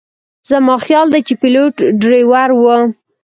زما خیال دی چې پیلوټ ډریور و.